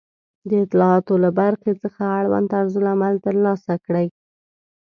د اطلاعاتو له برخې څخه اړوند طرزالعمل ترلاسه کړئ